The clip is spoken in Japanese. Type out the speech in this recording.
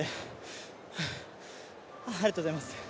ありがとうございます。